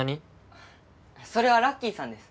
それはラッキーさんです